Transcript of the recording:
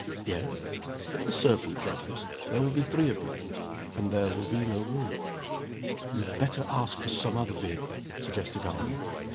"Yes." "If the servant drives, there will be three of you and there will be no room." "We had better ask for some other vehicle," suggested Arnold.